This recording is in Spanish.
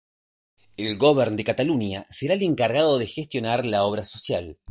El Govern de Catalunya sería el encargado de gestionar la obra social.